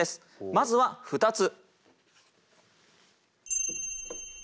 まずは２つ。